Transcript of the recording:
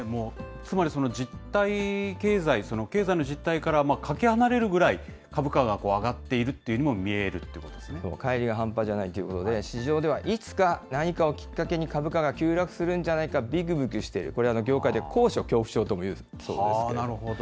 つまり実体経済、経済の実態からかけ離れるぐらい、株価が上がっているというようにかい離が半端じゃないということで、市場ではいつか何かをきっかけに株価が急落するんじゃないか、びくびくしている、これ業界で高所恐怖症ともいうそうですけど。